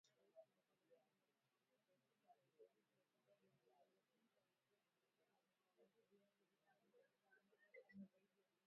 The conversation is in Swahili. Katika ukanda huo, Uganda ni nchi ya pili kwa usafirishaji mkubwa zaidi wa bidhaa kwenda Kongo, baada ya Rwanda.